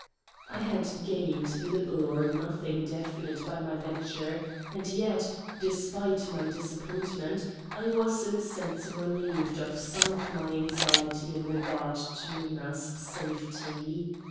I had gained little or nothing definite by my venture, and yet, despite my disappointment, I was in a sense relieved of some of my anxiety in regard to Minna's safety.